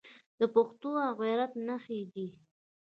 د پښتو او غیرت نښې دي.